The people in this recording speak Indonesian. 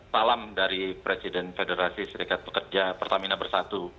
salam dari presiden federasi serikat pekerja pertamina bersatu